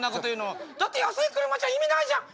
「だって安い車じゃ意味ないじゃん」。